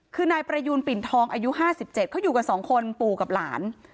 คือนายประยูนปิ่นทองอายุ๕๗เขาอยู่กันสองคนปู่กับหลาน